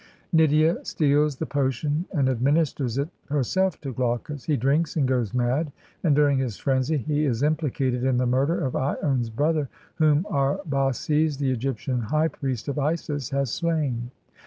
Nydia steals the potion and ad ministers it herself to Glaucus; he drinks and goes mad, and during his frenzy he is implicated in the murder of lone's brother, whom Arbaces, the Egyptian high priest of Isis, has slain.